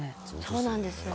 「そうなんですよね」